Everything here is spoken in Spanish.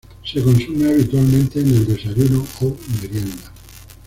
Se consume habitualmente en el desayuno o merienda.